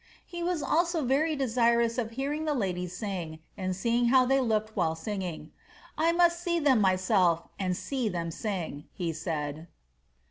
"' He was ilso very desirous of hearing the ladies sing, and seeing how they looked while singing. ^ I must see them myself, and see them sing," he said.